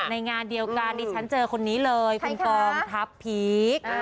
ในงานเดียวกันดิฉันเจอคนนี้เลยคุณกองทัพพีค